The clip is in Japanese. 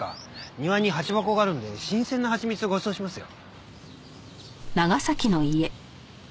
庭に蜂箱があるんで新鮮な蜂蜜をごちそうしますよ。